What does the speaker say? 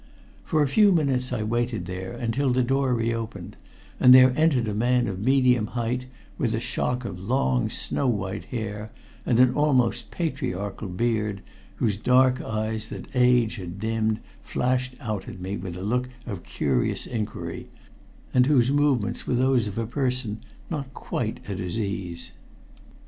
For a few minutes I waited there, until the door reopened, and there entered a man of medium height, with a shock of long snow white hair and almost patriarchal beard, whose dark eyes that age had dimmed flashed out at me with a look of curious inquiry, and whose movements were those of a person not quite at his ease.